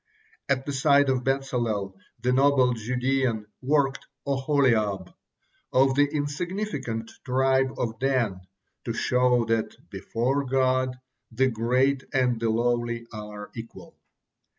At the side of Bezalel, the noble Judean, worked Oholiab, of the insignificant tribe of Dan, to show that "before God, the great and the lowly are equal."